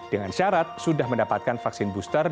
dengan syarat sudah mendapatkan vaksin booster